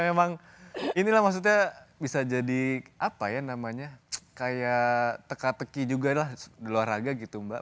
memang inilah maksudnya bisa jadi apa ya namanya kayak teka teki juga lah di luar raga gitu mbak